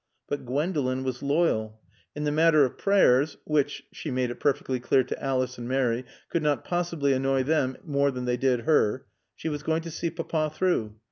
But Gwendolen was loyal. In the matter of prayers, which she made it perfectly clear to Alice and Mary could not possibly annoy them more than they did her, she was going to see Papa through.